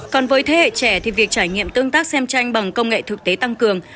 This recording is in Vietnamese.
còn với thế hệ trẻ thì việc trải nghiệm tương tác xem tranh bằng công nghệ thực tế tăng cường